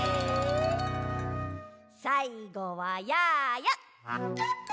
さいごはやーや。